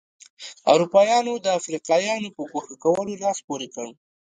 اروپایانو د افریقایانو په ګوښه کولو لاس پورې کړ.